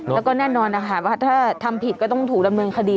แล้วก็แน่นอนถ้าทำผิดก็ต้องถูกระเมินคดี